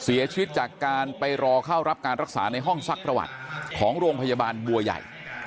เสียชีวิตจากการไปรอเข้ารับการรักษาในห้องซักประวัติของโรงพยาบาลบัวใหญ่